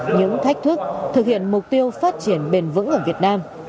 những thách thức thực hiện mục tiêu phát triển bền vững ở việt nam